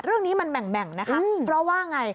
เรื่องนี้มันแหม่งนะคะเพราะว่าไง